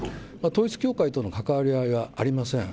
統一教会との関わり合いはありません。